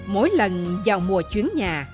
mỗi lần vào mùa chuyển nhà